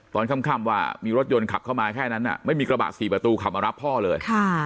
ตอนค่ำว่ามีรถยนต์ขับเข้ามาแค่นั้นไม่มีกระบะ๔ประตูขับมารับพ่อเลย